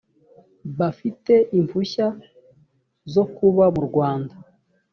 bafite impushya zo kuba mu rwanda.